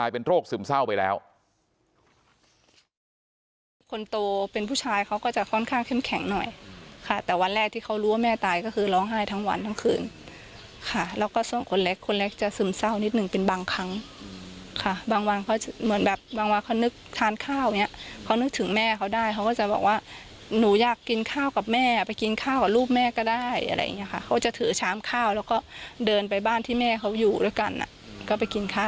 เป็นผู้ชายเขาก็จะค่อนข้างแข็งแข็งหน่อยค่ะแต่วันแรกที่เขารู้ว่าแม่ตายก็คือร้องไห้ทั้งวันทั้งคืนค่ะแล้วก็ส่งคนเล็กคนเล็กจะซึมเศร้านิดหนึ่งเป็นบางครั้งค่ะบางวันเขาจะเหมือนแบบบางวันเขานึกทานข้าวเนี้ยเขานึกถึงแม่เขาได้เขาก็จะบอกว่าหนูอยากกินข้าวกับแม่ไปกินข้าวกับลูกแม่ก็ได้อะไรอย่างเงี้ยค